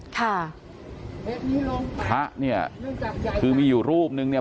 ค่ะพระเนี่ยคือมีอยู่รูปนึงเนี่ย